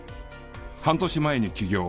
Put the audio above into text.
半年前に起業。